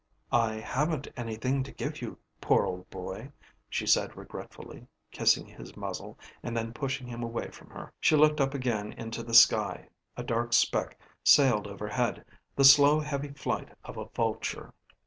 "I haven't anything to give you, poor old boy," she said regretfully, kissing his muzzle and then pushing him away from her. She looked up again into the sky, a dark speck sailed overhead, the slow heavy flight of a vulture.